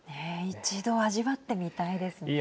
一度味わってみたいですね。